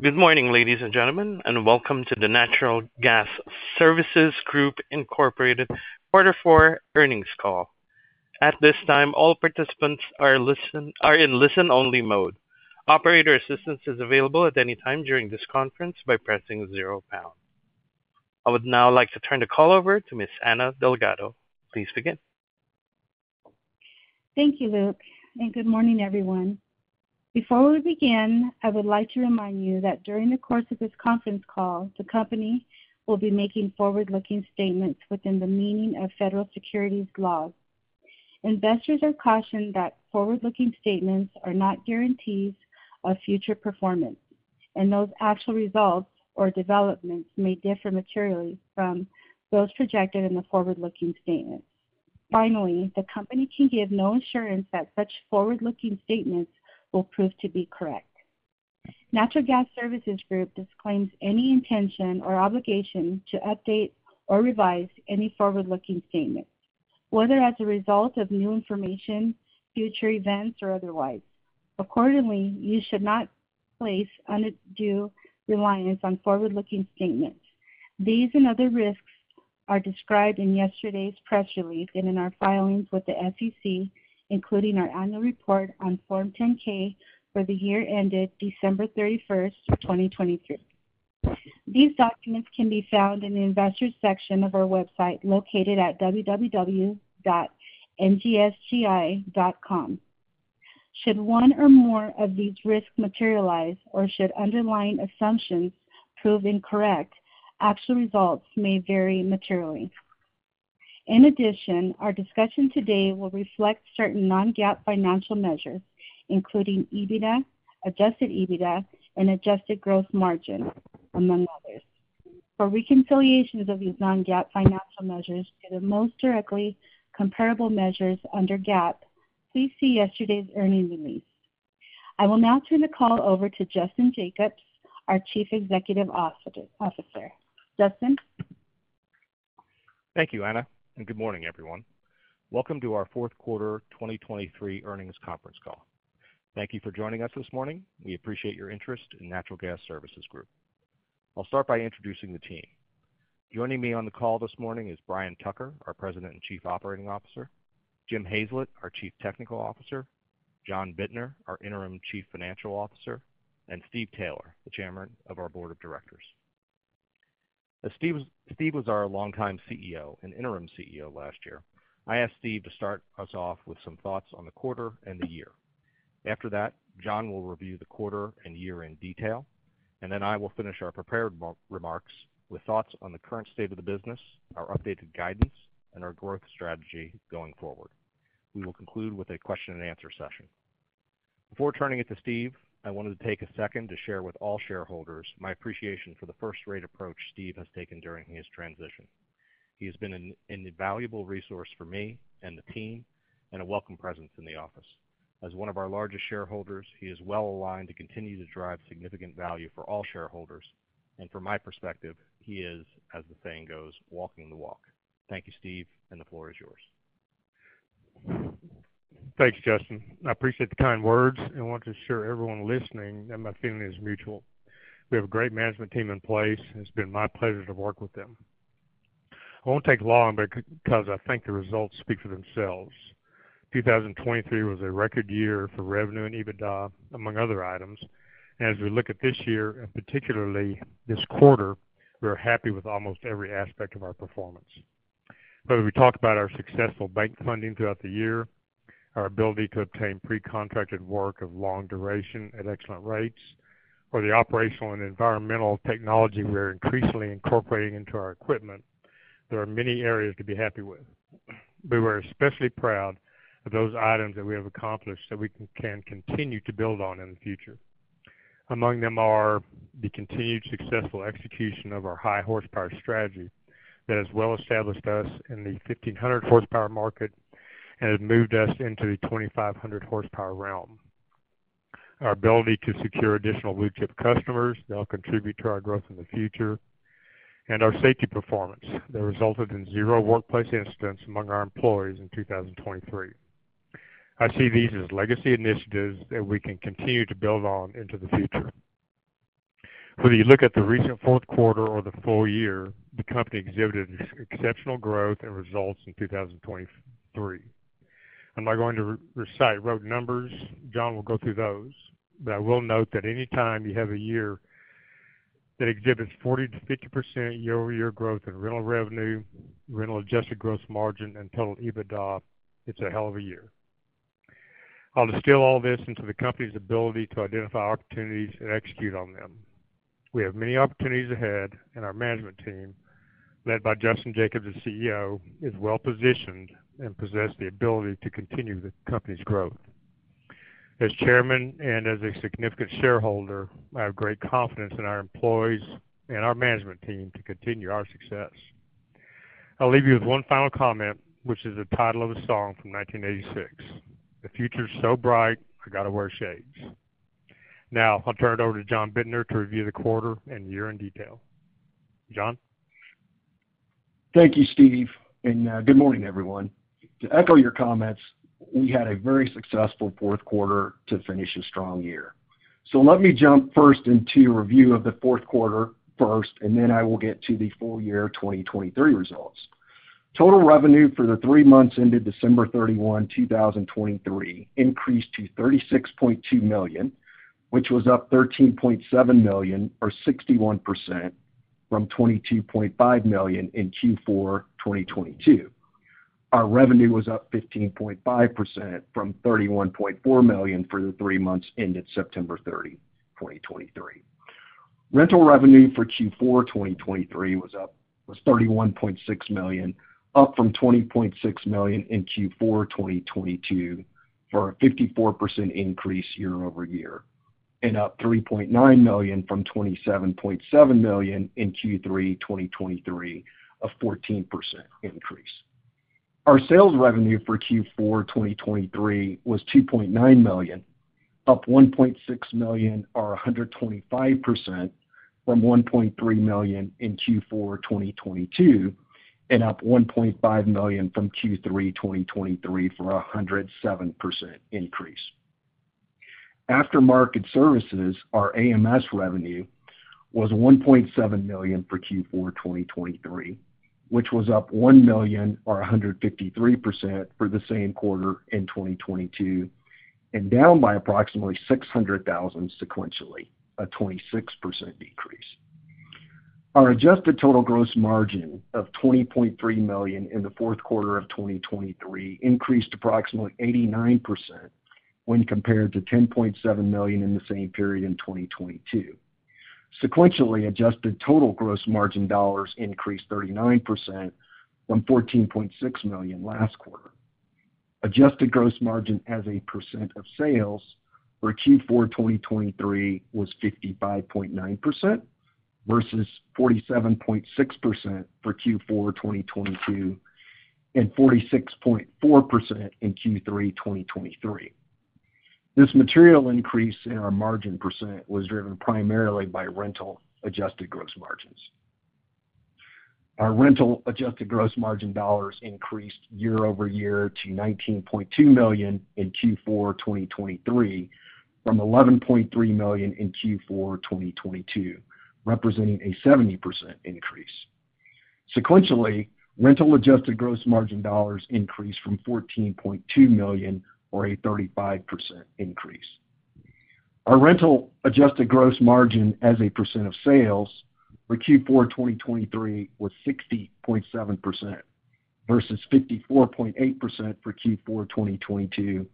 Good morning, ladies and gentlemen, and welcome to the Natural Gas Services Group Incorporated Quarter Four earnings call. At this time, all participants are in listen-only mode. Operator assistance is available at any time during this conference by pressing zero pounds. I would now like to turn the call over to Miss Anna Delgado. Please begin. Thank you, Luke, and good morning, everyone. Before we begin, I would like to remind you that during the course of this conference call, the company will be making forward-looking statements within the meaning of federal securities laws. Investors are cautioned that forward-looking statements are not guarantees of future performance, and those actual results or developments may differ materially from those projected in the forward-looking statements. Finally, the company can give no assurance that such forward-looking statements will prove to be correct. Natural Gas Services Group disclaims any intention or obligation to update or revise any forward-looking statements, whether as a result of new information, future events, or otherwise. Accordingly, you should not place undue reliance on forward-looking statements. These and other risks are described in yesterday's press release and in our filings with the SEC, including our annual report on Form 10-K for the year ended December 31st, 2023. These documents can be found in the investors section of our website located at www.ngsgi.com. Should one or more of these risks materialize or should underlying assumptions prove incorrect, actual results may vary materially. In addition, our discussion today will reflect certain non-GAAP financial measures, including EBITDA, adjusted EBITDA, and Adjusted Gross Margin, among others. For reconciliations of these non-GAAP financial measures to the most directly comparable measures under GAAP, please see yesterday's earnings release. I will now turn the call over to Justin Jacobs, our Chief Executive Officer. Justin? Thank you, Anna, and good morning, everyone. Welcome to our fourth quarter 2023 earnings conference call. Thank you for joining us this morning. We appreciate your interest in Natural Gas Services Group. I'll start by introducing the team. Joining me on the call this morning is Brian Tucker, our President and Chief Operating Officer, Jim Hazlett, our Chief Technical Officer, John Bittner, our Interim Chief Financial Officer, and Steve Taylor, the Chairman of our Board of Directors. As Steve was our longtime CEO and interim CEO last year, I asked Steve to start us off with some thoughts on the quarter and the year. After that, John will review the quarter and year in detail, and then I will finish our prepared remarks with thoughts on the current state of the business, our updated guidance, and our growth strategy going forward. We will conclude with a question-and-answer session. Before turning it to Steve, I wanted to take a second to share with all shareholders my appreciation for the first-rate approach Steve has taken during his transition. He has been an invaluable resource for me and the team and a welcome presence in the office. As one of our largest shareholders, he is well aligned to continue to drive significant value for all shareholders, and from my perspective, he is, as the saying goes, walking the walk. Thank you, Steve, and the floor is yours. Thank you, Justin. I appreciate the kind words, and I want to assure everyone listening that my feeling is mutual. We have a great management team in place, and it's been my pleasure to work with them. I won't take long because I think the results speak for themselves. 2023 was a record year for revenue and EBITDA, among other items, and as we look at this year, and particularly this quarter, we are happy with almost every aspect of our performance. Whether we talk about our successful bank funding throughout the year, our ability to obtain pre-contracted work of long duration at excellent rates, or the operational and environmental technology we are increasingly incorporating into our equipment, there are many areas to be happy with. But we are especially proud of those items that we have accomplished that we can continue to build on in the future. Among them are the continued successful execution of our high-horsepower strategy that has well established us in the 1,500-horsepower market and has moved us into the 2,500-horsepower realm, our ability to secure additional leadership customers that will contribute to our growth in the future, and our safety performance that resulted in zero workplace incidents among our employees in 2023. I see these as legacy initiatives that we can continue to build on into the future. Whether you look at the recent fourth quarter or the full year, the company exhibited exceptional growth and results in 2023. I'm not going to recite rote numbers. John will go through those, but I will note that any time you have a year that exhibits 40%-50% year-over-year growth in rental revenue, rental Adjusted Gross Margin, and total EBITDA, it's a hell of a year. I'll distill all this into the company's ability to identify opportunities and execute on them. We have many opportunities ahead, and our management team, led by Justin Jacobs, the CEO, is well positioned and possesses the ability to continue the company's growth. As chairman and as a significant shareholder, I have great confidence in our employees and our management team to continue our success. I'll leave you with one final comment, which is the title of a song from 1986: "The Future's So Bright, I Gotta Wear Shades." Now, I'll turn it over to John Bittner to review the quarter and year in detail. John? Thank you, Steve, and good morning, everyone. To echo your comments, we had a very successful fourth quarter to finish a strong year. Let me jump first into review of the fourth quarter first, and then I will get to the full year 2023 results. Total revenue for the three months ended December 31, 2023, increased to $36.2 million, which was up $13.7 million or 61% from $22.5 million in Q4 2022. Our revenue was up 15.5% from $31.4 million for the three months ended September 30, 2023. Rental revenue for Q4 2023 was $31.6 million, up from $20.6 million in Q4 2022 for a 54% increase year-over-year, and up $3.9 million from $27.7 million in Q3 2023, a 14% increase. Our sales revenue for Q4 2023 was $2.9 million, up $1.6 million or 125% from $1.3 million in Q4 2022, and up $1.5 million from Q3 2023 for a 107% increase. Aftermarket services, our AMS revenue, was $1.7 million for Q4 2023, which was up $1 million or 153% for the same quarter in 2022 and down by approximately $600,000 sequentially, a 26% decrease. Our adjusted total gross margin of $20.3 million in the fourth quarter of 2023 increased approximately 89% when compared to $10.7 million in the same period in 2022. Sequentially, adjusted total gross margin dollars increased 39% from $14.6 million last quarter. Adjusted Gross Margin as a percent of sales for Q4 2023 was 55.9% versus 47.6% for Q4 2022 and 46.4% in Q3 2023. This material increase in our margin percent was driven primarily by rental Adjusted Gross Margins. Our rental Adjusted Gross Margin dollars increased year-over-year to $19.2 million in Q4 2023 from $11.3 million in Q4 2022, representing a 70% increase. Sequentially, rental Adjusted Gross Margin dollars increased from $14.2 million or a 35% increase. Our rental Adjusted Gross Margin as a percent of sales for Q4 2023 was 60.7% versus 54.8% for Q4 2022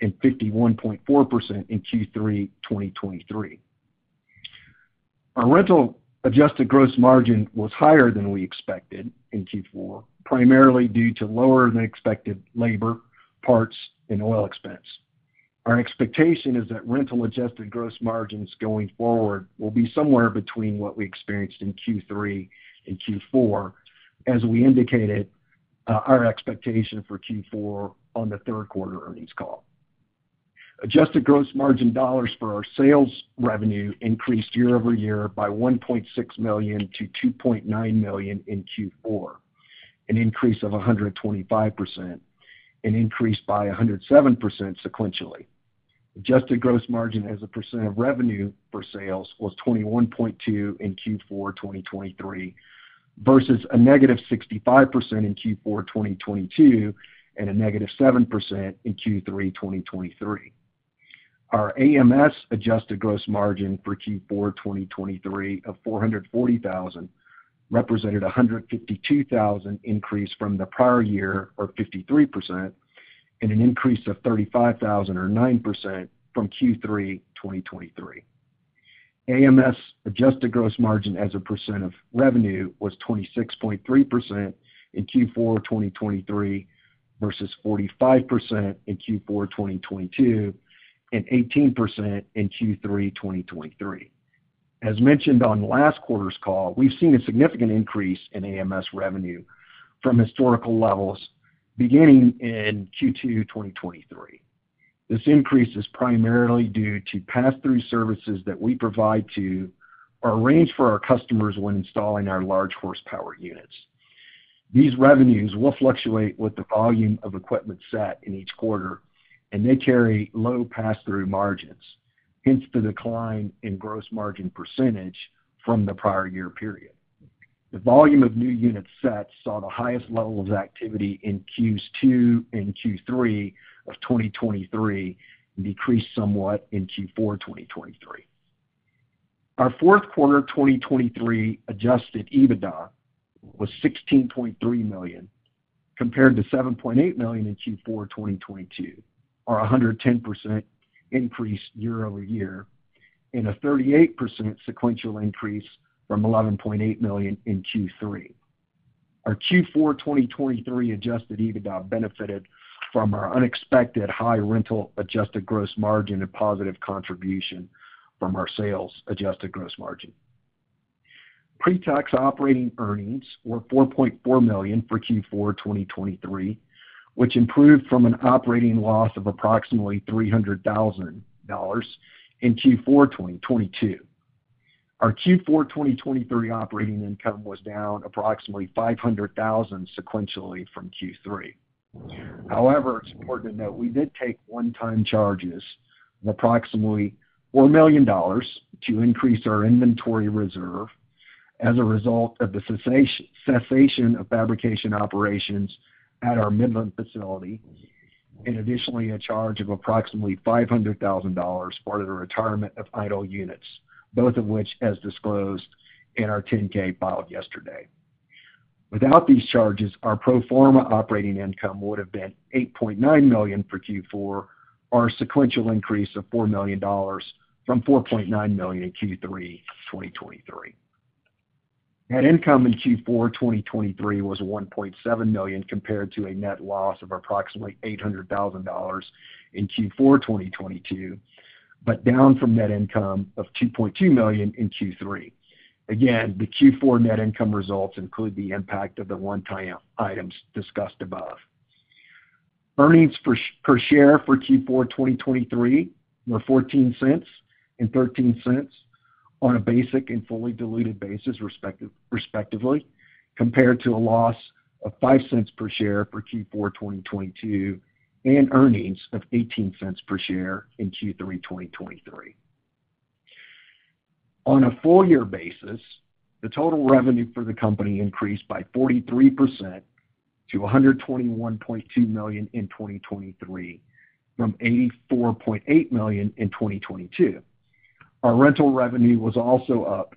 and 51.4% in Q3 2023. Our rental Adjusted Gross Margin was higher than we expected in Q4, primarily due to lower-than-expected labor, parts, and oil expense. Our expectation is that rental Adjusted Gross Margins going forward will be somewhere between what we experienced in Q3 and Q4, as we indicated our expectation for Q4 on the third quarter earnings call. Adjusted Gross argin dollars for our sales revenue increased year-over-year by $1.6 million-$2.9 million in Q4, an increase of 125%, an increase by 107% sequentially. Adjusted gross margin as a percent of revenue for sales was 21.2% in Q4 2023 versus a negative 65% in Q4 2022 and a negative 7% in Q3 2023. Our AMS Adjusted Gross Margin for Q4 2023 of $440,000 represented a $152,000 increase from the prior year or 53% and an increase of $35,000 or 9% from Q3 2023. AMS Adjusted Gross Margin as a percent of revenue was 26.3% in Q4 2023 versus 45% in Q4 2022 and 18% in Q3 2023. As mentioned on last quarter's call, we've seen a significant increase in AMS revenue from historical levels beginning in Q2 2023. This increase is primarily due to pass-through services that we provide or are arranged for our customers when installing our large horsepower units. These revenues will fluctuate with the volume of equipment set in each quarter, and they carry low pass-through margins, hence the decline in gross margin percentage from the prior year period. The volume of new units set saw the highest level of activity in Q2 and Q3 of 2023 and decreased somewhat in Q4 2023. Our fourth quarter 2023 Adjusted EBITDA was $16.3 million compared to $7.8 million in Q4 2022, or a 110% increase year-over-year and a 38% sequential increase from $11.8 million in Q3. Our Q4 2023 Adjusted EBITDA benefited from our unexpected high rental Adjusted Gross Margin and positive contribution from our sales Adjusted Gross Margin. Pre-tax operating earnings were $4.4 million for Q4 2023, which improved from an operating loss of approximately $300,000 in Q4 2022. Our Q4 2023 operating income was down approximately $500,000 sequentially from Q3. However, it's important to note we did take one-time charges of approximately $4 million to increase our inventory reserve as a result of the cessation of fabrication operations at our Midland facility and additionally a charge of approximately $500,000 for the retirement of idle units, both of which, as disclosed in our 10-K filed yesterday. Without these charges, our pro forma operating income would have been $8.9 million for Q4, or a sequential increase of $4 million from $4.9 million in Q3 2023. Net income in Q4 2023 was $1.7 million compared to a net loss of approximately $800,000 in Q4 2022, but down from net income of $2.2 million in Q3. Again, the Q4 net income results include the impact of the one-time items discussed above. Earnings per share for Q4 2023 were $0.14 and $0.13 on a basic and fully diluted basis, respectively, compared to a loss of $0.05 per share for Q4 2022 and earnings of $0.18 per share in Q3 2023. On a full-year basis, the total revenue for the company increased by 43% to $121.2 million in 2023 from $84.8 million in 2022. Our rental revenue was also up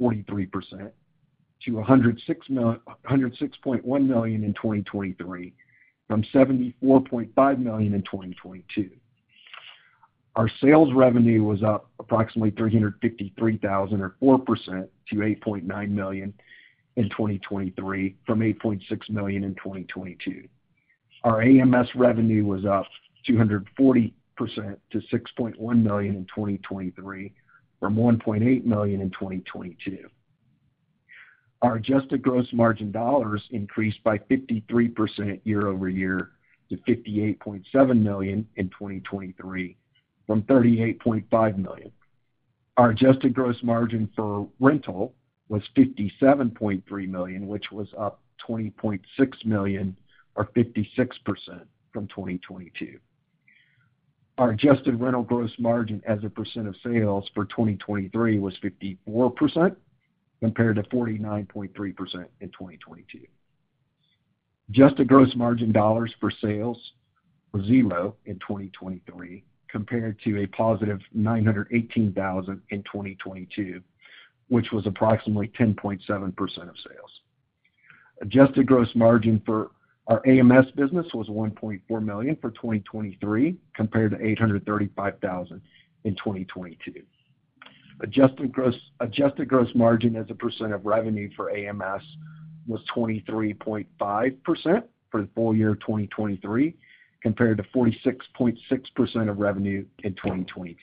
43% to $106.1 million in 2023 from $74.5 million in 2022. Our sales revenue was up approximately $353,000 or 4% to $8.9 million in 2023 from $8.6 million in 2022. Our AMS revenue was up 240% to $6.1 million in 2023 from $1.8 million in 2022. Our Adjusted Gross Margin dollars increased by 53% year-over-year to $58.7 million in 2023 from $38.5 million. Our Adjusted Gross Margin for rental was $57.3 million, which was up $20.6 million or 56% from 2022. Our adjusted rental gross margin as a percent of sales for 2023 was 54% compared to 49.3% in 2022. Adjusted gross margin dollars for sales were zero in 2023 compared to a positive $918,000 in 2022, which was approximately 10.7% of sales. Adjusted gross margin for our AMS business was $1.4 million for 2023 compared to $835,000 in 2022. Adjusted gross margin as a percent of revenue for AMS was 23.5% for the full year 2023 compared to 46.6% of revenue in 2022.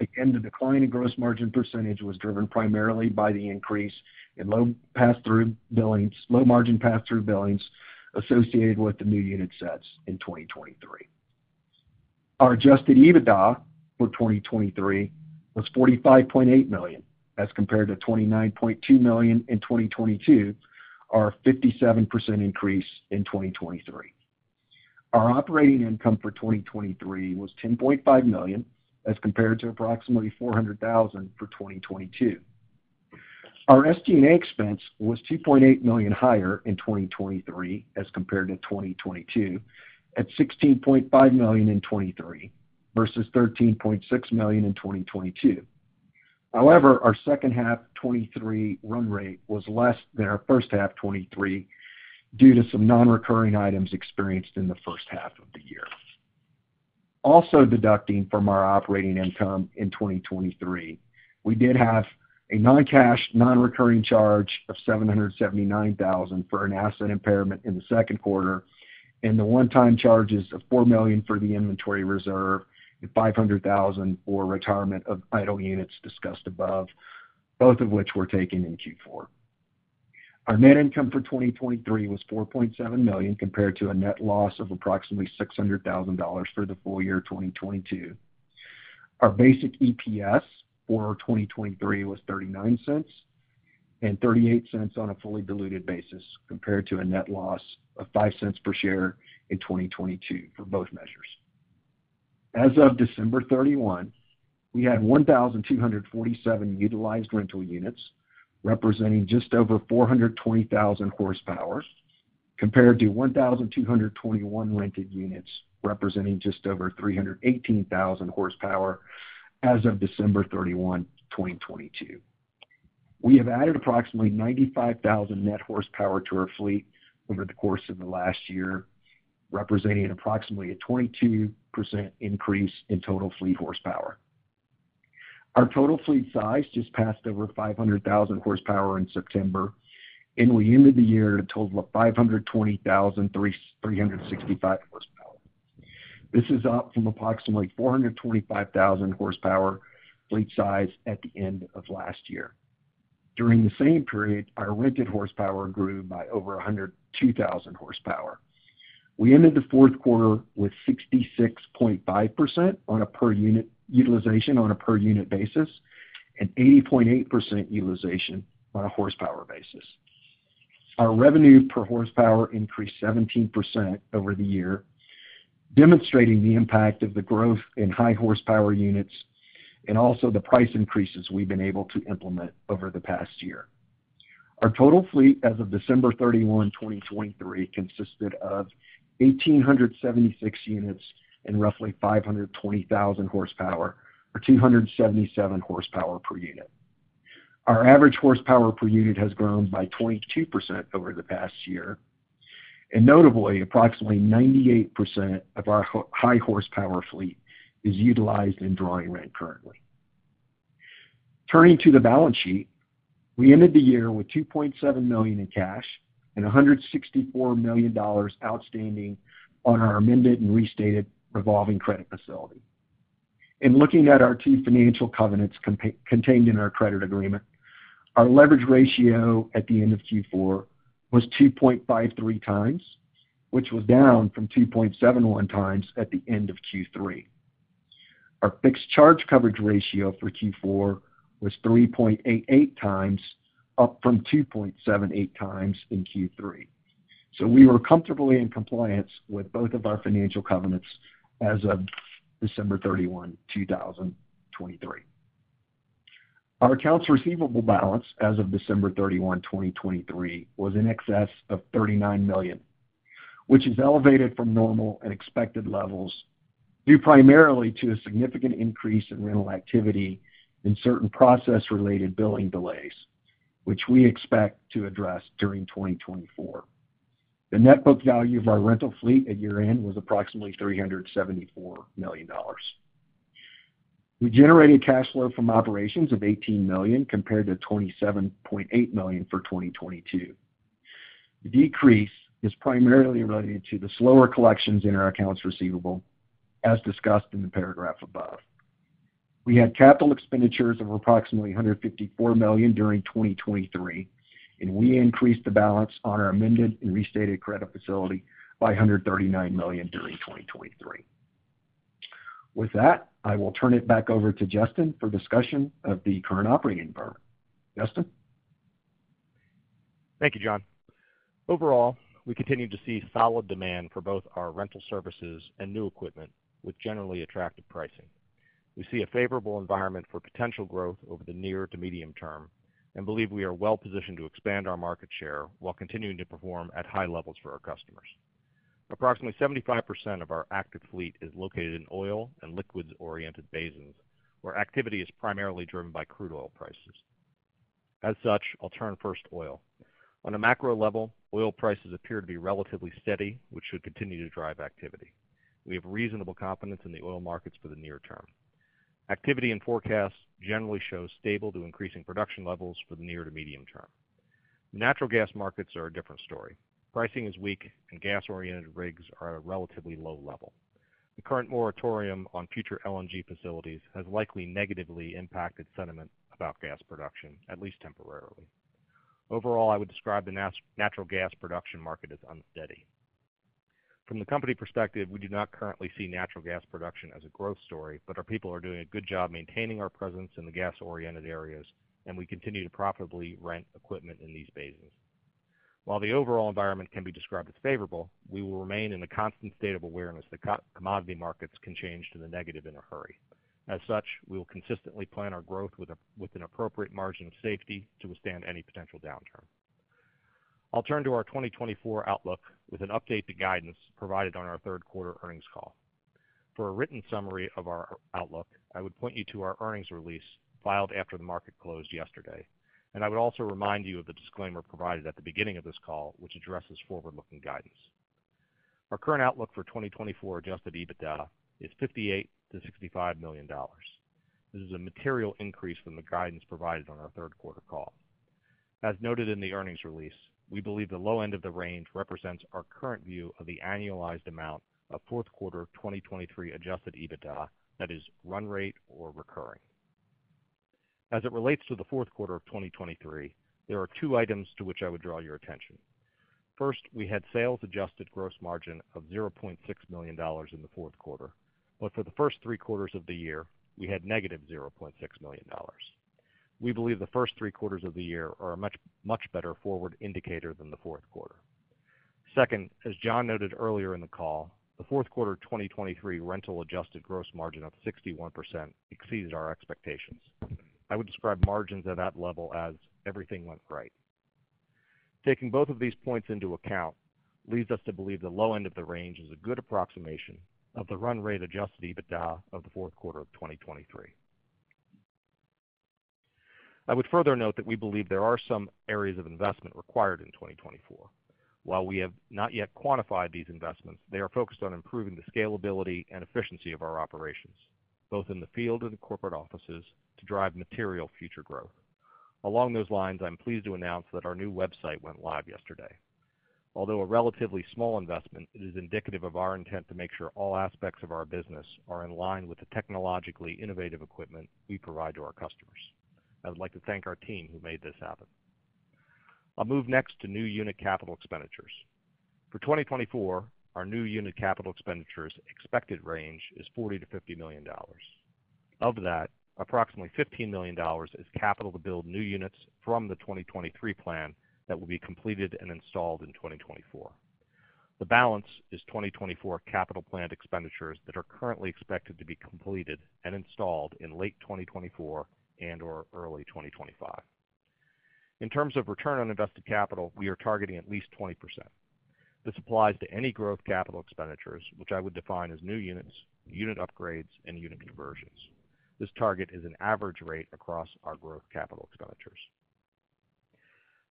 Again, the decline in gross margin percentage was driven primarily by the increase in low pass-through billings, low margin pass-through billings associated with the new unit sets in 2023. Our Adjusted EBITDA for 2023 was $45.8 million as compared to $29.2 million in 2022, or a 57% increase in 2023. Our operating income for 2023 was $10.5 million as compared to approximately $400,000 for 2022. Our SG&A expense was $2.8 million higher in 2023 as compared to 2022 at $16.5 million in 2023 versus $13.6 million in 2022. However, our second half 2023 run rate was less than our first half 2023 due to some non-recurring items experienced in the first half of the year. Also deducting from our operating income in 2023, we did have a non-cash, non-recurring charge of $779,000 for an asset impairment in the second quarter and the one-time charges of $4 million for the inventory reserve and $500,000 for retirement of idle units discussed above, both of which were taken in Q4. Our net income for 2023 was $4.7 million compared to a net loss of approximately $600,000 for the full year 2022. Our basic EPS for 2023 was $0.39 and $0.38 on a fully diluted basis compared to a net loss of $0.05 per share in 2022 for both measures. As of December 31, we had 1,247 utilized rental units representing just over 420,000 horsepower compared to 1,221 rented units representing just over 318,000 horsepower as of December 31, 2022. We have added approximately 95,000 net horsepower to our fleet over the course of the last year, representing approximately a 22% increase in total fleet horsepower. Our total fleet size just passed over 500,000 horsepower in September, and we ended the year at a total of 520,365 horsepower. This is up from approximately 425,000 horsepower fleet size at the end of last year. During the same period, our rented horsepower grew by over 102,000 horsepower. We ended the fourth quarter with 66.5% on a per unit utilization on a per unit basis and 80.8% utilization on a horsepower basis. Our revenue per horsepower increased 17% over the year, demonstrating the impact of the growth in high horsepower units and also the price increases we've been able to implement over the past year. Our total fleet as of December 31, 2023, consisted of 1,876 units and roughly 520,000 horsepower or 277 horsepower per unit. Our average horsepower per unit has grown by 22% over the past year. Notably, approximately 98% of our high horsepower fleet is utilized in drawing rent currently. Turning to the balance sheet, we ended the year with $2.7 million in cash and $164 million outstanding on our amended and restated revolving credit facility. Looking at our two financial covenants contained in our credit agreement, our leverage ratio at the end of Q4 was 2.53 times, which was down from 2.71 times at the end of Q3. Our fixed charge coverage ratio for Q4 was 3.88 times, up from 2.78 times in Q3. We were comfortably in compliance with both of our financial covenants as of December 31, 2023. Our accounts receivable balance as of December 31, 2023, was in excess of $39 million, which is elevated from normal and expected levels due primarily to a significant increase in rental activity and certain process-related billing delays, which we expect to address during 2024. The net book value of our rental fleet at year-end was approximately $374 million. We generated cash flow from operations of $18 million compared to $27.8 million for 2022. The decrease is primarily related to the slower collections in our accounts receivable, as discussed in the paragraph above. We had capital expenditures of approximately $154 million during 2023, and we increased the balance on our amended and restated credit facility by $139 million during 2023. With that, I will turn it back over to Justin for discussion of the current operating environment. Justin. Thank you, John. Overall, we continue to see solid demand for both our rental services and new equipment with generally attractive pricing. We see a favorable environment for potential growth over the near to medium term and believe we are well positioned to expand our market share while continuing to perform at high levels for our customers. Approximately 75% of our active fleet is located in oil and liquids-oriented basins where activity is primarily driven by crude oil prices. As such, I'll turn first to oil. On a macro level, oil prices appear to be relatively steady, which should continue to drive activity. We have reasonable confidence in the oil markets for the near term. Activity and forecasts generally show stable to increasing production levels for the near to medium term. The natural gas markets are a different story. Pricing is weak, and gas-oriented rigs are at a relatively low level. The current moratorium on future LNG facilities has likely negatively impacted sentiment about gas production, at least temporarily. Overall, I would describe the natural gas production market as unsteady. From the company perspective, we do not currently see natural gas production as a growth story, but our people are doing a good job maintaining our presence in the gas-oriented areas, and we continue to profitably rent equipment in these basins. While the overall environment can be described as favorable, we will remain in a constant state of awareness that commodity markets can change to the negative in a hurry. As such, we will consistently plan our growth with an appropriate margin of safety to withstand any potential downturn. I'll turn to our 2024 outlook with an update to guidance provided on our third-quarter earnings call. For a written summary of our outlook, I would point you to our earnings release filed after the market closed yesterday. I would also remind you of the disclaimer provided at the beginning of this call, which addresses forward-looking guidance. Our current outlook for 2024 Adjusted EBITDA is $58 million-$65 million. This is a material increase from the guidance provided on our third quarter call. As noted in the earnings release, we believe the low end of the range represents our current view of the annualized amount of fourth quarter 2023 Adjusted EBITDA that is run rate or recurring. As it relates to the fourth quarter of 2023, there are two items to which I would draw your attention. First, we had sales Adjusted Gross Margin of $0.6 million in the fourth quarter, but for the first three quarters of the year, we had -$0.6 million. We believe the first three quarters of the year are a much, much better forward indicator than the fourth quarter. Second, as John noted earlier in the call, the fourth quarter 2023 rental Adjusted Gross Margin of 61% exceeded our expectations. I would describe margins at that level as everything went right. Taking both of these points into account leads us to believe the low end of the range is a good approximation of the run rate Adjusted EBITDA of the fourth quarter of 2023. I would further note that we believe there are some areas of investment required in 2024. While we have not yet quantified these investments, they are focused on improving the scalability and efficiency of our operations, both in the field and corporate offices, to drive material future growth. Along those lines, I'm pleased to announce that our new website went live yesterday. Although a relatively small investment, it is indicative of our intent to make sure all aspects of our business are in line with the technologically innovative equipment we provide to our customers. I would like to thank our team who made this happen. I'll move next to new unit capital expenditures. For 2024, our new unit capital expenditures expected range is $40 million-$50 million. Of that, approximately $15 million is capital to build new units from the 2023 plan that will be completed and installed in 2024. The balance is 2024 capital planned expenditures that are currently expected to be completed and installed in late 2024 and/or early 2025. In terms of return on invested capital, we are targeting at least 20%. This applies to any growth capital expenditures, which I would define as new units, unit upgrades, and unit conversions. This target is an average rate across our growth capital expenditures.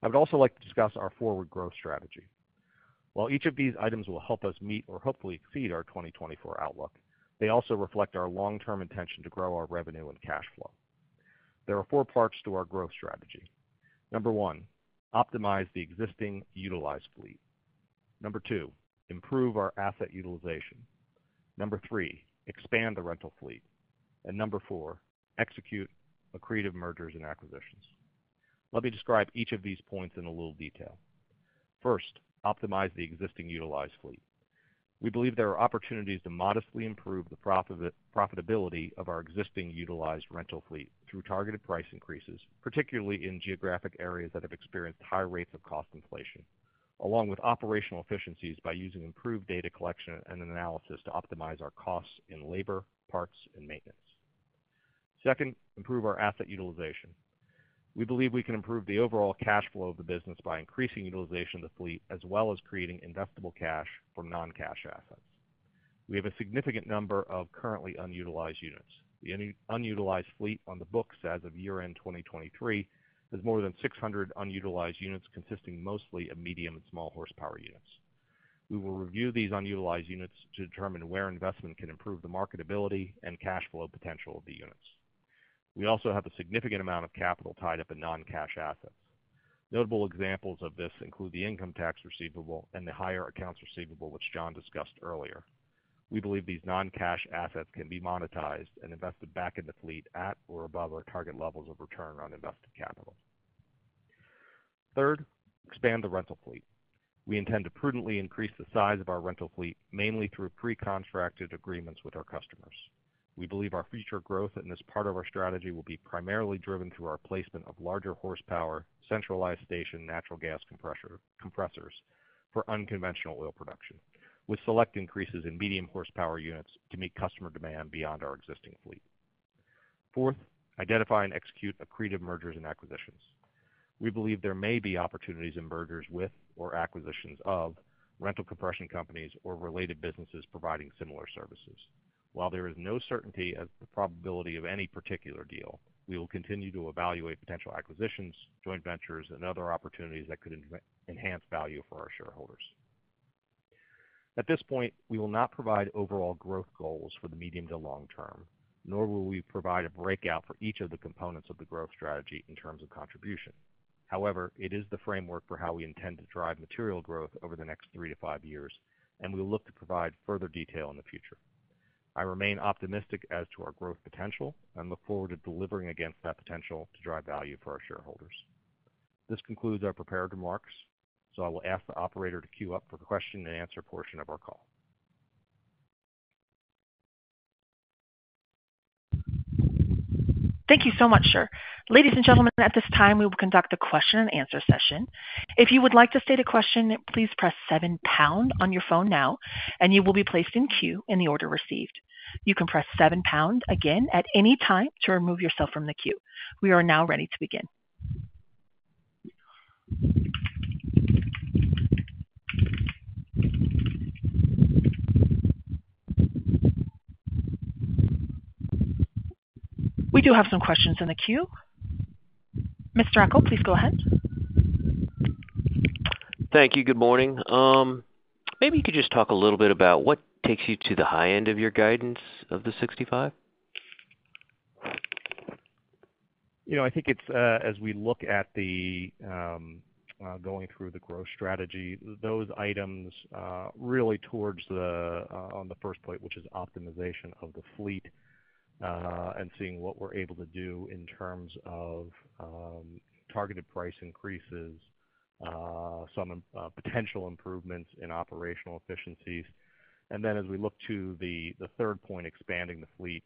I would also like to discuss our forward growth strategy. While each of these items will help us meet or hopefully exceed our 2024 outlook, they also reflect our long-term intention to grow our revenue and cash flow. There are four parts to our growth strategy. Number one, optimize the existing utilized fleet. Number two, improve our asset utilization. Number three, expand the rental fleet. And number four, execute accretive mergers and acquisitions. Let me describe each of these points in a little detail. First, optimize the existing utilized fleet. We believe there are opportunities to modestly improve the profitability of our existing utilized rental fleet through targeted price increases, particularly in geographic areas that have experienced high rates of cost inflation, along with operational efficiencies by using improved data collection and analysis to optimize our costs in labor, parts, and maintenance. Second, improve our asset utilization. We believe we can improve the overall cash flow of the business by increasing utilization of the fleet as well as creating investable cash from non-cash assets. We have a significant number of currently unutilized units. The unutilized fleet on the books as of year-end 2023 has more than 600 unutilized units consisting mostly of medium and small horsepower units. We will review these unutilized units to determine where investment can improve the marketability and cash flow potential of the units. We also have a significant amount of capital tied up in non-cash assets. Notable examples of this include the income tax receivable and the higher accounts receivable, which John discussed earlier. We believe these non-cash assets can be monetized and invested back in the fleet at or above our target levels of return on invested capital. Third, expand the rental fleet. We intend to prudently increase the size of our rental fleet mainly through pre-contracted agreements with our customers. We believe our future growth in this part of our strategy will be primarily driven through our placement of larger horsepower centralized station natural gas compressors for unconventional oil production, with select increases in medium horsepower units to meet customer demand beyond our existing fleet. Fourth, identify and execute accretive mergers and acquisitions. We believe there may be opportunities in mergers with or acquisitions of rental compression companies or related businesses providing similar services. While there is no certainty as to the probability of any particular deal, we will continue to evaluate potential acquisitions, joint ventures, and other opportunities that could enhance value for our shareholders. At this point, we will not provide overall growth goals for the medium to long term, nor will we provide a breakout for each of the components of the growth strategy in terms of contribution. However, it is the framework for how we intend to drive material growth over the next three to five years, and we'll look to provide further detail in the future. I remain optimistic as to our growth potential and look forward to delivering against that potential to drive value for our shareholders. This concludes our prepared remarks, so I will ask the operator to queue up for the question and answer portion of our call. Thank you so much, sir. Ladies and gentlemen, at this time, we will conduct a question and answer session. If you would like to state a question, please press seven pound on your phone now, and you will be placed in queue in the order received. You can press seven pound again at any time to remove yourself from the queue. We are now ready to begin. We do have some questions in the queue. Mr. Ekel, please go ahead. Thank you. Good morning. Maybe you could just talk a little bit about what takes you to the high end of your guidance of the 65? You know, I think it's as we look at going through the growth strategy, those items really towards the on the first phase, which is optimization of the fleet, and seeing what we're able to do in terms of targeted price increases, some potential improvements in operational efficiencies. And then as we look to the third point, expanding the fleet,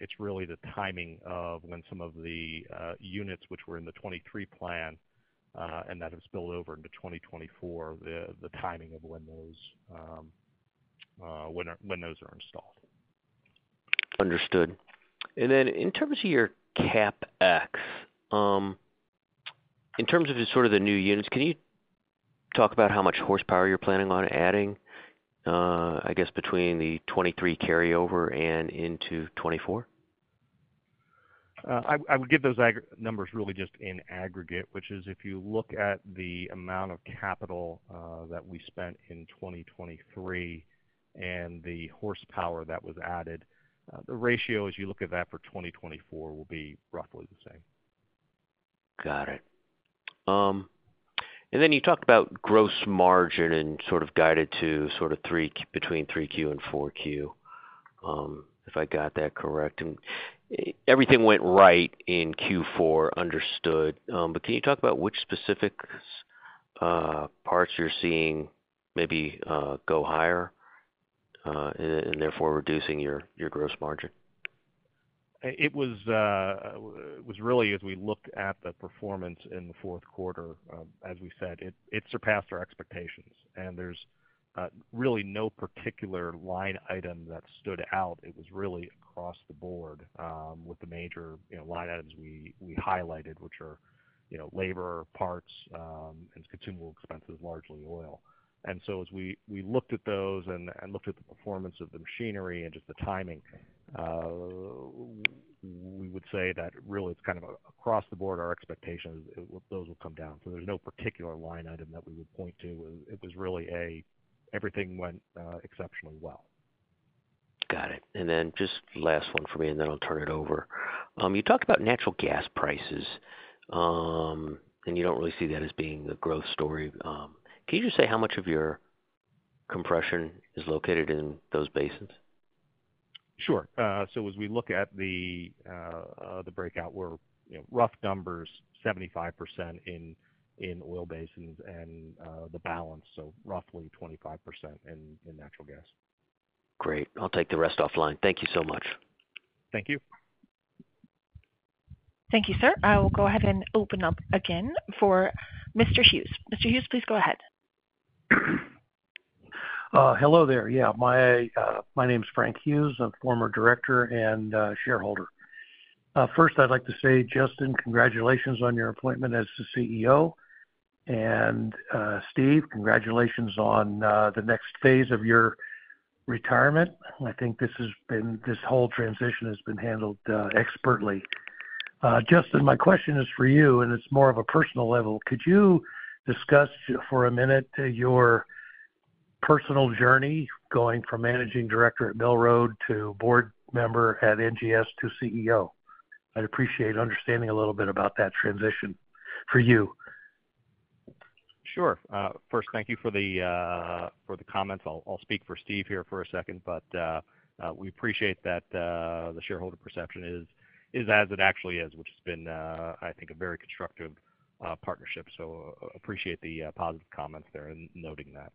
it's really the timing of when some of the units, which were in the 2023 plan and that have spilled over into 2024, the timing of when those are installed. Understood. And then in terms of your CapEx, in terms of just sort of the new units, can you talk about how much horsepower you're planning on adding, I guess, between the 2023 carryover and into 2024? I would give those ag numbers really just in aggregate, which is if you look at the amount of capital that we spent in 2023 and the horsepower that was added, the ratio as you look at that for 2024 will be roughly the same. Got it. And then you talked about gross margin and sort of guided to sort of 3 between 3Q and 4Q, if I got that correct. And everything went right in Q4, understood. But can you talk about which specifics, parts you're seeing maybe go higher, and, and therefore reducing your, your gross margin? It was, it was really as we looked at the performance in the fourth quarter, as we said, it, it surpassed our expectations. And there's really no particular line item that stood out. It was really across the board, with the major, you know, line items we, we highlighted, which are, you know, labor, parts, and consumable expenses, largely oil. And so as we, we looked at those and, and looked at the performance of the machinery and just the timing, we would say that really it's kind of across the board, our expectations, those will come down. So there's no particular line item that we would point to. It was really everything went exceptionally well. Got it. And then just last one for me, and then I'll turn it over. You talked about natural gas prices, and you don't really see that as being the growth story. Can you just say how much of your compression is located in those basins? Sure. So as we look at the breakout, we're, you know, rough numbers, 75% in oil basins and the balance, so roughly 25% in natural gas. Great. I'll take the rest offline. Thank you so much. Thank you. Thank you, sir. I will go ahead and open up again for Mr. Hughes. Mr. Hughes, please go ahead. Hello there. Yeah, my, my name's Frank Hughes. I'm former director and shareholder. First, I'd like to say, Justin, congratulations on your appointment as the CEO. Steve, congratulations on the next phase of your retirement. I think this whole transition has been handled expertly. Justin, my question is for you, and it's more of a personal level. Could you discuss just for a minute your personal journey going from managing director at Mill Road to board member at NGS to CEO? I'd appreciate understanding a little bit about that transition for you. Sure. First, thank you for the comments. I'll speak for Steve here for a second, but we appreciate that the shareholder perception is as it actually is, which has been, I think, a very constructive partnership. So appreciate the positive comments there and noting that.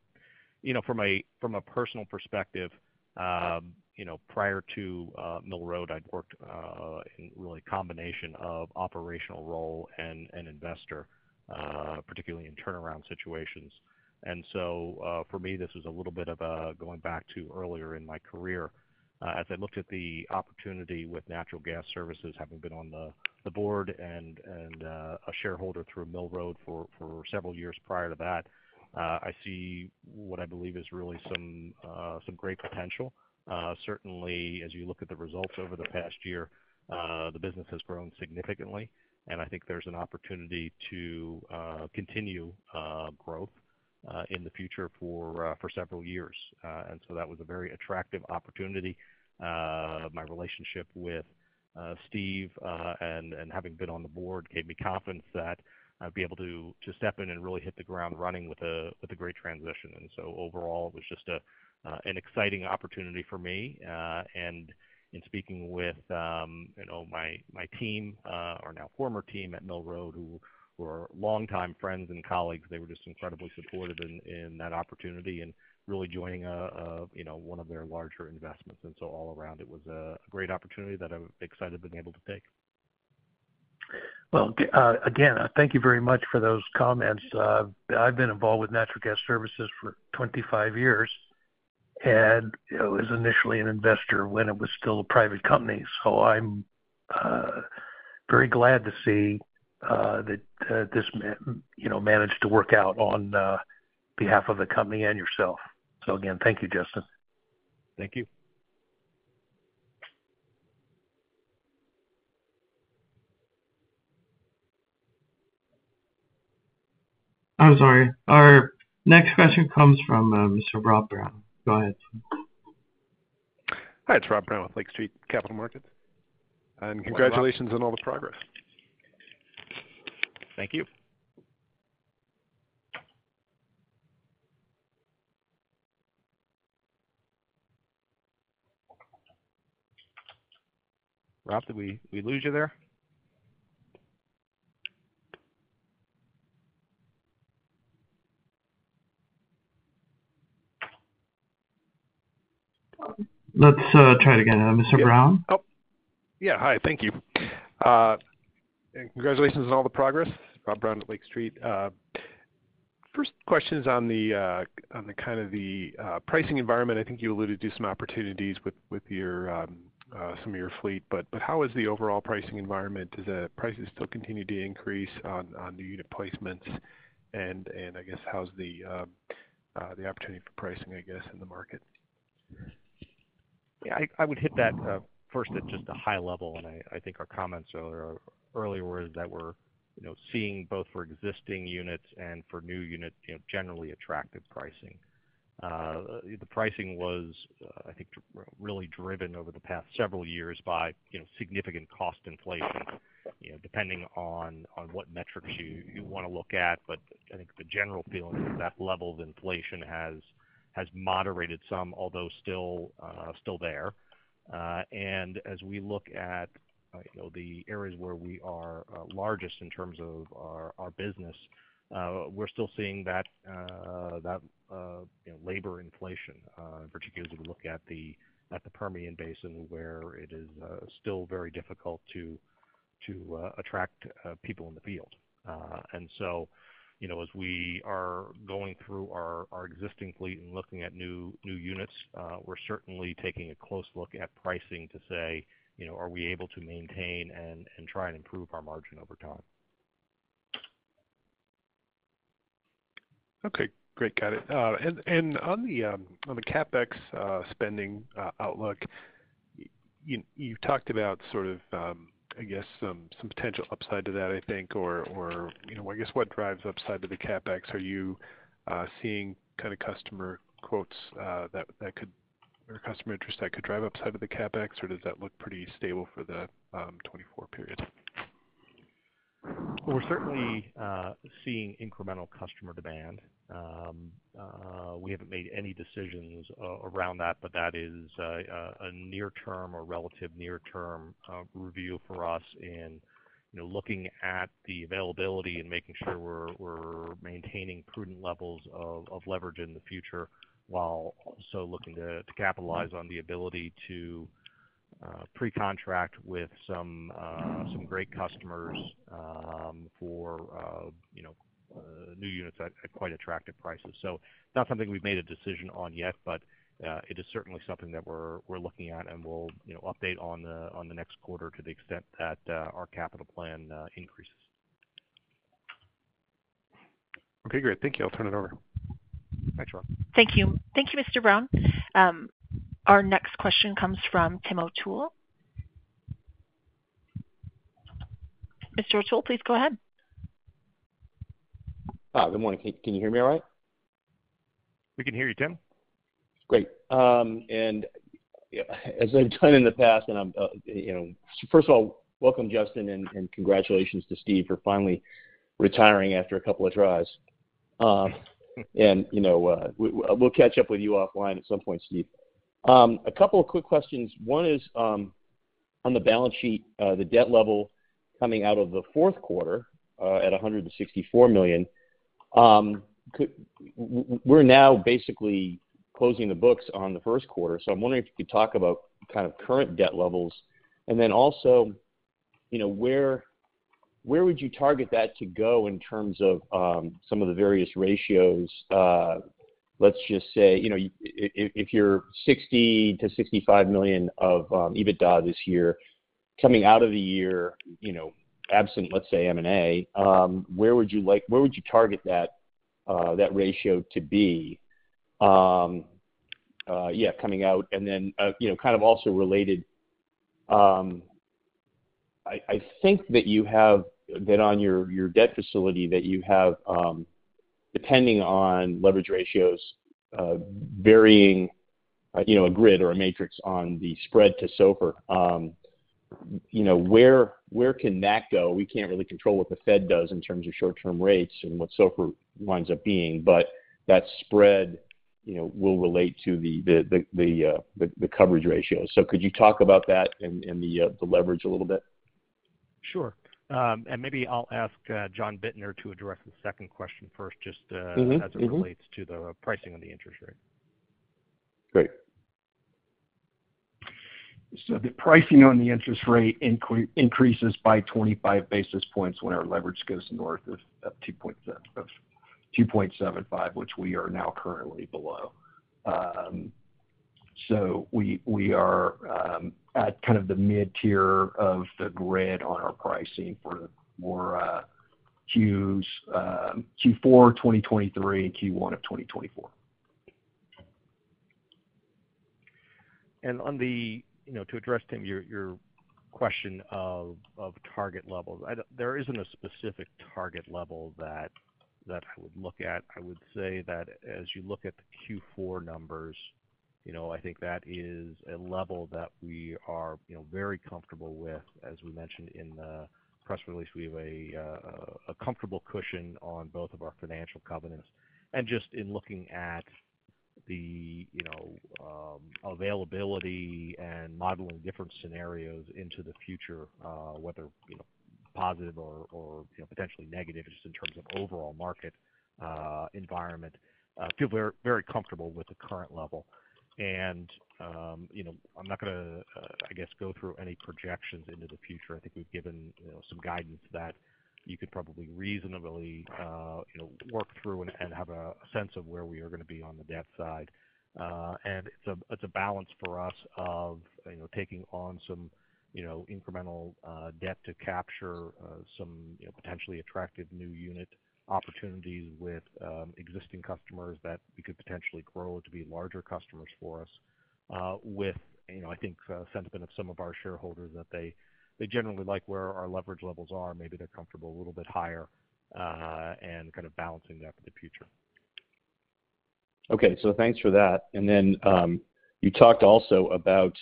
You know, from a personal perspective, you know, prior to Mill Road, I'd worked in really a combination of operational role and investor, particularly in turnaround situations. And so, for me, this was a little bit of a going back to earlier in my career. As I looked at the opportunity with Natural Gas Services, having been on the board and a shareholder through Mill Road for several years prior to that, I see what I believe is really some great potential. Certainly, as you look at the results over the past year, the business has grown significantly, and I think there's an opportunity to continue growth in the future for several years. That was a very attractive opportunity. My relationship with Steve and having been on the board gave me confidence that I'd be able to step in and really hit the ground running with a great transition. Overall, it was just an exciting opportunity for me. In speaking with, you know, my team, or now former team at Mill Road, who were longtime friends and colleagues, they were just incredibly supportive in that opportunity and really joining a, you know, one of their larger investments. All around, it was a great opportunity that I'm excited to be able to take. Well, again, thank you very much for those comments. I've been involved with Natural Gas Services for 25 years, and, you know, as initially an investor when it was still a private company. So I'm very glad to see that this, you know, managed to work out on behalf of the company and yourself. So again, thank you, Justin. Thank you. I'm sorry. Our next question comes from Mr. Rob Brown. Go ahead. Hi, it's Rob Brown with Lake Street Capital Markets. Congratulations on all the progress. Thank you. Rob, did we lose you there? Let's try it again. Mr. Brown? Oh. Yeah. Hi. Thank you and congratulations on all the progress. Rob Brown at Lake Street. First question is on the pricing environment. I think you alluded to some opportunities with some of your fleet, but how is the overall pricing environment? Does the prices still continue to increase on new unit placements? And I guess how's the opportunity for pricing in the market? Yeah. I would hit that first at just a high level, and I think our comments earlier were that we're, you know, seeing both for existing units and for new units, you know, generally attractive pricing. The pricing was, I think, really driven over the past several years by, you know, significant cost inflation, you know, depending on what metrics you wanna look at. But I think the general feeling is that level of inflation has moderated some, although still there. And as we look at, you know, the areas where we are largest in terms of our business, we're still seeing that, you know, labor inflation, particularly as we look at the Permian Basin where it is still very difficult to attract people in the field. And so, you know, as we are going through our existing fleet and looking at new units, we're certainly taking a close look at pricing to say, you know, are we able to maintain and try and improve our margin over time? Okay. Great. Got it. And on the CapEx spending outlook, you talked about sort of, I guess some potential upside to that, I think, or, you know, I guess what drives upside to the CapEx? Are you seeing kind of customer quotes that could or customer interest that could drive upside to the CapEx, or does that look pretty stable for the 2024 period? Well, we're certainly seeing incremental customer demand. We haven't made any decisions around that, but that is a near-term or relative near-term review for us, you know, looking at the availability and making sure we're maintaining prudent levels of leverage in the future while also looking to capitalize on the ability to precontract with some great customers for, you know, new units at quite attractive prices. So not something we've made a decision on yet, but it is certainly something that we're looking at and we'll, you know, update on the next quarter to the extent that our capital plan increases. Okay. Great. Thank you. I'll turn it over. Thanks, Rob. Thank you. Thank you, Mr. Brown. Our next question comes from Tim O'Toole. Mr. O'Toole, please go ahead. Hi. Good morning. Can you hear me all right? We can hear you, Tim. Great. And, you know, as I've done in the past, and I'm, you know, first of all, welcome, Justin, and congratulations to Steve for finally retiring after a couple of tries. And, you know, we, we'll catch up with you offline at some point, Steve. A couple of quick questions. One is, on the balance sheet, the debt level coming out of the fourth quarter, at $164 million. We're now basically closing the books on the first quarter, so I'm wondering if you could talk about kind of current debt levels and then also, you know, where would you target that to go in terms of some of the various ratios? Let's just say, you know, if you're $60-$65 million of EBITDA this year, coming out of the year, you know, absent, let's say, M&A, where would you target that, that ratio to be? Yeah, coming out and then, you know, kind of also related, I think that you have that on your debt facility that you have, depending on leverage ratios, varying, you know, a grid or a matrix on the spread to SOFR, you know, where can that go? We can't really control what the Fed does in terms of short-term rates and what SOFR winds up being, but that spread, you know, will relate to the coverage ratios. So could you talk about that and the leverage a little bit? Sure. Maybe I'll ask John Bittner to address the second question first, just. Mm-hmm. As it relates to the pricing on the interest rate. Great. So the pricing on the interest rate increase increases by 25 basis points when our leverage goes north of 2.7 or 2.75, which we are now currently below. So we are at kind of the mid-tier of the grid on our pricing for Q4 of 2023 and Q1 of 2024. You know, to address Tim, your question of target levels, there isn't a specific target level that I would look at. I would say that as you look at the Q4 numbers, you know, I think that is a level that we are, you know, very comfortable with. As we mentioned in the press release, we have a comfortable cushion on both of our financial covenants. And just in looking at the, you know, availability and modeling different scenarios into the future, whether positive or potentially negative, just in terms of overall market environment, feel very, very comfortable with the current level. And, you know, I'm not gonna, I guess, go through any projections into the future. I think we've given, you know, some guidance that you could probably reasonably, you know, work through and have a sense of where we are gonna be on the debt side. It's a balance for us of, you know, taking on some, you know, incremental debt to capture some, you know, potentially attractive new unit opportunities with existing customers that we could potentially grow to be larger customers for us, with, you know, I think, sentiment of some of our shareholders that they generally like where our leverage levels are. Maybe they're comfortable a little bit higher, and kind of balancing that for the future. Okay. So thanks for that. And then, you talked also about,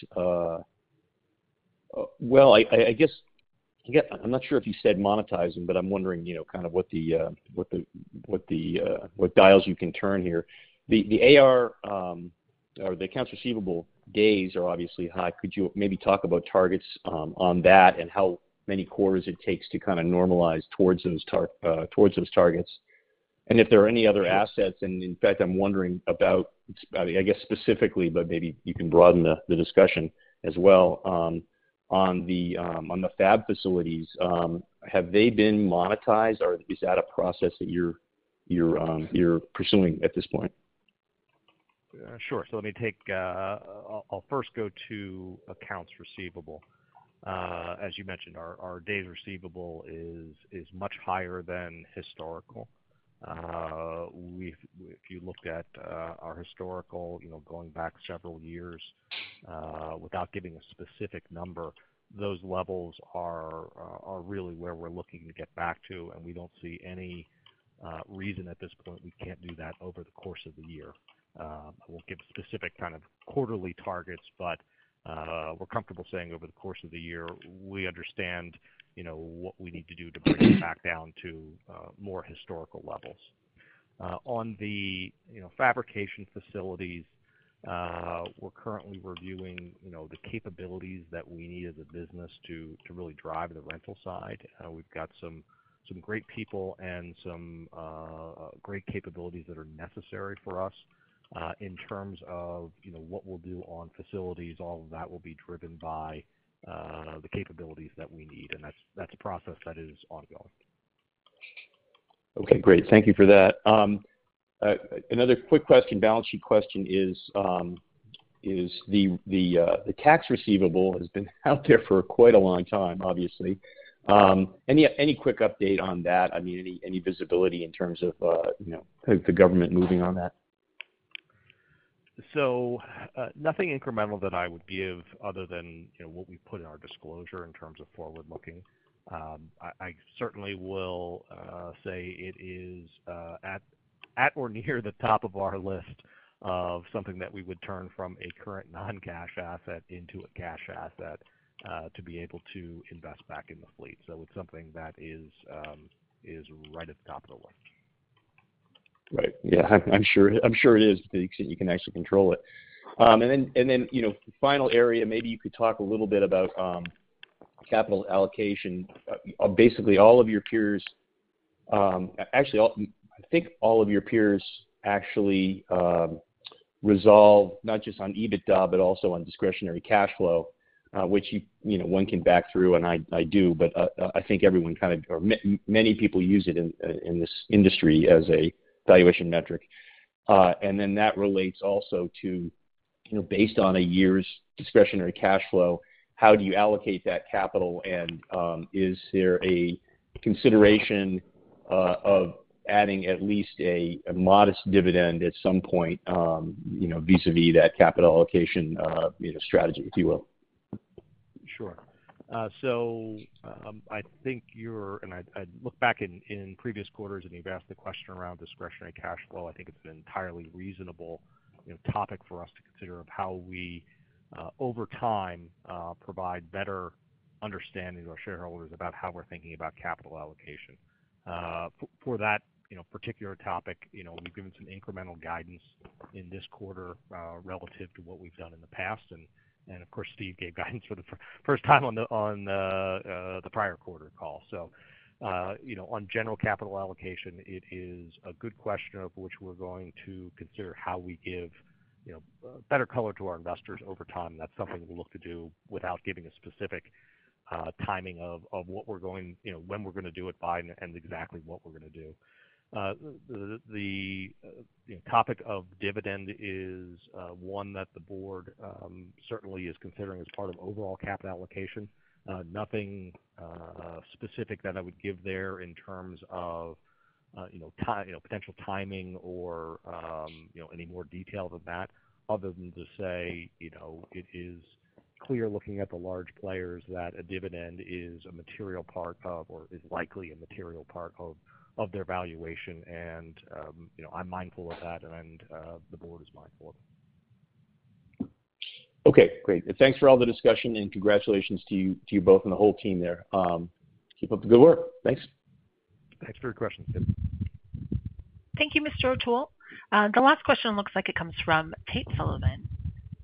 well, I guess I'm not sure if you said monetizing, but I'm wondering, you know, kind of what the dials you can turn here. The AR, or the accounts receivable days are obviously high. Could you maybe talk about targets on that and how many quarters it takes to kind of normalize towards those targets? And if there are any other assets and, in fact, I'm wondering about it, I guess, specifically, but maybe you can broaden the discussion as well on the fab facilities. Have they been monetized? Or is that a process that you're pursuing at this point? Sure. So let me take. I'll first go to accounts receivable. As you mentioned, our days receivable is much higher than historical. We've if you looked at our historical, you know, going back several years, without giving a specific number, those levels are really where we're looking to get back to. And we don't see any reason at this point we can't do that over the course of the year. I won't give specific kind of quarterly targets, but we're comfortable saying over the course of the year, we understand, you know, what we need to do to bring it back down to more historical levels. On the, you know, fabrication facilities, we're currently reviewing, you know, the capabilities that we need as a business to really drive the rental side. We've got some great people and some great capabilities that are necessary for us, in terms of, you know, what we'll do on facilities. All of that will be driven by the capabilities that we need. And that's a process that is ongoing. Okay. Great. Thank you for that. Another quick question, balance sheet question is, is the tax receivable has been out there for quite a long time, obviously. Any quick update on that? I mean, any visibility in terms of, you know, the government moving on that? So, nothing incremental that I would give other than, you know, what we put in our disclosure in terms of forward-looking. I certainly will say it is at or near the top of our list of something that we would turn from a current non-cash asset into a cash asset, to be able to invest back in the fleet. So it's something that is right at the top of the list. Right. Yeah. I'm, I'm sure I'm sure it is to the extent you can actually control it. And then and then, you know, final area, maybe you could talk a little bit about capital allocation. Basically, all of your peers, actually, all I think all of your peers actually, resolve not just on EBITDA but also on discretionary cash flow, which you, you know, one can back through, and I, I do. But, I think everyone kind of or many people use it in, in, in this industry as a valuation metric. And then that relates also to, you know, based on a year's discretionary cash flow, how do you allocate that capital? And, is there a consideration of adding at least a modest dividend at some point, you know, vis-à-vis that capital allocation, you know, strategy, if you will? Sure. So, I think you and I, I looked back in, in previous quarters, and you've asked the question around discretionary cash flow. I think it's an entirely reasonable, you know, topic for us to consider of how we, over time, provide better understanding to our shareholders about how we're thinking about capital allocation. For that, you know, particular topic, you know, we've given some incremental guidance in this quarter, relative to what we've done in the past. And, and, of course, Steve gave guidance for the first time on the, the prior quarter call. So, you know, on general capital allocation, it is a good question of which we're going to consider how we give, you know, better color to our investors over time. That's something we'll look to do without giving a specific timing of what we're going, you know, when we're gonna do it by and exactly what we're gonna do. You know, the topic of dividend is one that the board certainly is considering as part of overall capital allocation. Nothing specific that I would give there in terms of, you know, timing, you know, potential timing or, you know, any more detail of that other than to say, you know, it is clear looking at the large players that a dividend is a material part of or is likely a material part of their valuation. And, you know, I'm mindful of that, and the board is mindful of it. Okay. Great. Thanks for all the discussion, and congratulations to you to you both and the whole team there. Keep up the good work. Thanks. Thanks for your questions, Tim. Thank you, Mr. O'Toole. The last question looks like it comes from Tate Sullivan.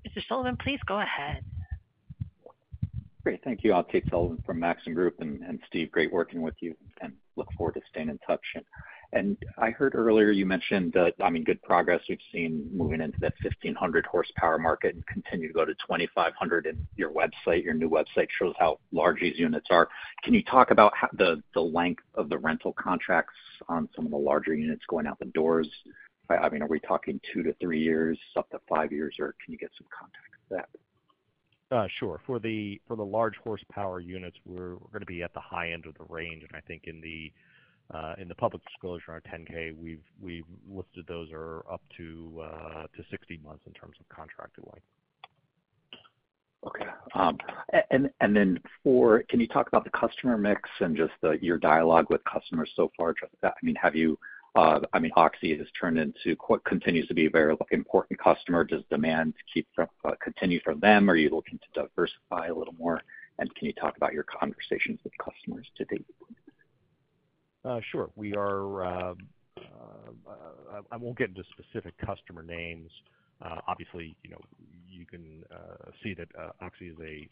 Mr. Sullivan, please go ahead. Great. Thank you. I'm Tate Sullivan from Maxim Group. Steve, great working with you, and look forward to staying in touch. I heard earlier you mentioned that I mean, good progress we've seen moving into that 1,500-horsepower market and continue to go to 2,500. Your website, your new website, shows how large these units are. Can you talk about how the length of the rental contracts on some of the larger units going out the doors? I mean, are we talking two to three years, up to five years, or can you get some context to that? Sure. For the large-horsepower units, we're gonna be at the high end of the range. I think in the public disclosure on 10-K, we've listed those are up to 60 months in terms of contracted length. Okay. And then, can you talk about the customer mix and just your dialogue with customers so far, Justin? I mean, have you, I mean, Oxy has turned into which continues to be a very important customer. Does demand continue from them? Are you looking to diversify a little more? And can you talk about your conversations with customers to date? Sure. We are, I won't get into specific customer names. Obviously, you know, you can see that Oxy is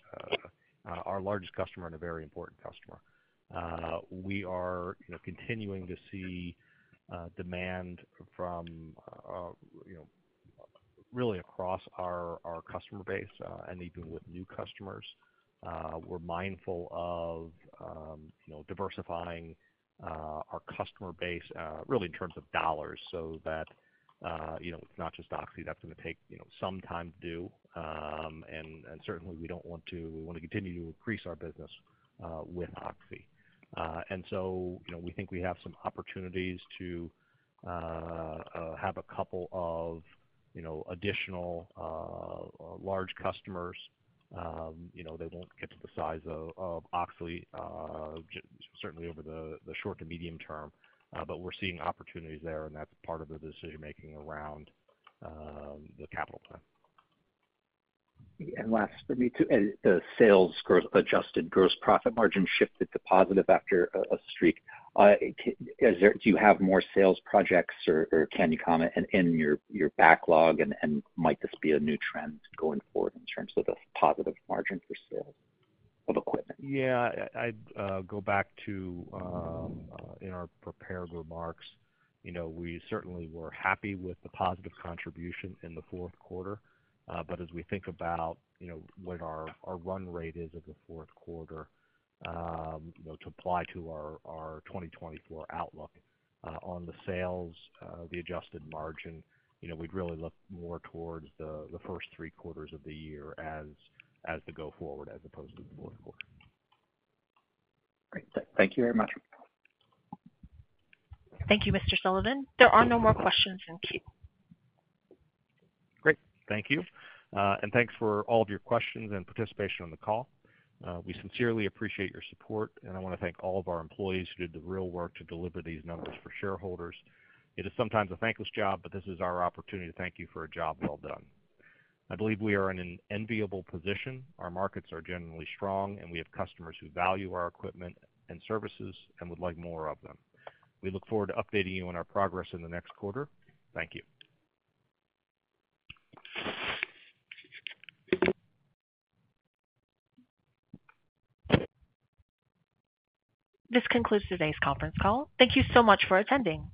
our largest customer and a very important customer. We are, you know, continuing to see demand from, you know, really across our customer base, and even with new customers. We're mindful of, you know, diversifying our customer base, really in terms of dollars so that, you know, it's not just Oxy. That's gonna take, you know, some time to do. And, and certainly, we don't want to we wanna continue to increase our business with Oxy. And so, you know, we think we have some opportunities to have a couple of, you know, additional large customers. You know, they won't get to the size of Oxy, certainly over the short to medium term. But we're seeing opportunities there, and that's part of the decision-making around the capital plan. And last for me, too, and the sales gross Adjusted Gross Margin shifted to positive after a streak. Do you have more sales projects, or can you comment on your backlog? And might this be a new trend going forward in terms of this positive margin for sales of equipment? Yeah. I go back to, in our prepared remarks, you know, we certainly were happy with the positive contribution in the fourth quarter. But as we think about, you know, what our run rate is of the fourth quarter, you know, to apply to our 2024 outlook, on the sales, the adjusted margin, you know, we'd really look more towards the first three quarters of the year as they go forward as opposed to the fourth quarter. Great. Thank you very much. Thank you, Mr. Sullivan. There are no more questions in queue. Great. Thank you, and thanks for all of your questions and participation on the call. We sincerely appreciate your support, and I wanna thank all of our employees who did the real work to deliver these numbers for shareholders. It is sometimes a thankless job, but this is our opportunity to thank you for a job well done. I believe we are in an enviable position. Our markets are generally strong, and we have customers who value our equipment and services and would like more of them. We look forward to updating you on our progress in the next quarter. Thank you. This concludes today's conference call. Thank you so much for attending.